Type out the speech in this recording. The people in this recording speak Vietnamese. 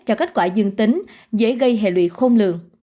cho kết quả dương tính dễ gây hệ lụy khôn lường